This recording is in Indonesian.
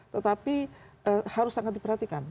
tetapi harus sangat diperhatikan